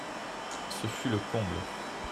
Ce fut le comble.